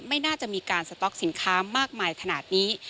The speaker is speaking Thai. ไม่น่าจะมีการสต๊อกสินค้ามากมายขนาดนี้